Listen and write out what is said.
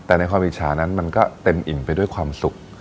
แต่ในความอิจฉานั้นมันก็เต็มอิ่มไปด้วยความสุข